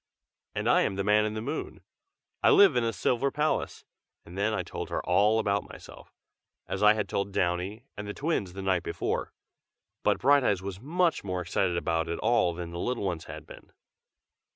"And I am the Man in the Moon. I live in a silver palace " and then I told her all about myself, as I had told Downy and the twins the night before. But Brighteyes was much more excited about it all than the little ones had been.